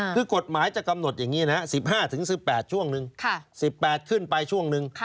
คือกฎหมายจะกำหนดอย่างนี้นะ๑๕๑๘ช่วงนึง๑๘ขึ้นไปช่วงนึง